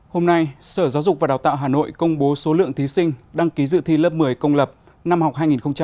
năm nay tp hcm công bố số lượng thí sinh đăng ký dự thi lớp một mươi công lập năm học hai nghìn hai mươi bốn hai nghìn hai mươi năm